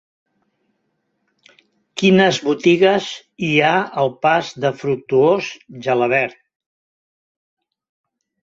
Quines botigues hi ha al pas de Fructuós Gelabert?